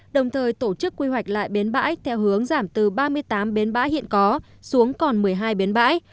đồng thời tổ chức quy hoạch lại bến bãi theo hướng giảm từ ba mươi tám bến bãi hiện có xuống còn một mươi hai bến bãi